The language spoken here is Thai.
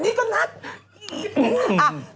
นี่ก็นัด